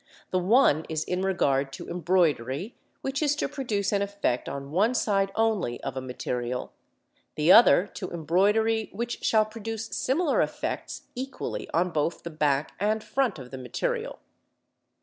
The one is in regard to embroidery which is to produce an effect on one side only of a material; the other to embroidery which shall produce similar effects equally on both the back and front of the material.